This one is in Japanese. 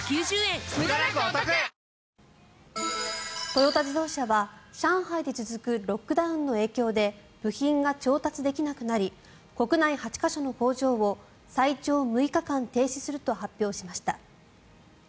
トヨタ自動車は上海で続くロックダウンの影響で部品が調達できなくなり国内８か所の工場を最長６日間停止すると発表しました。